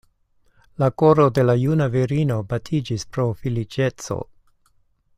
La koro de la juna virino batiĝis pro feliĉeco.